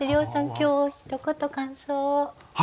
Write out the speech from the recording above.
今日ひと言感想を。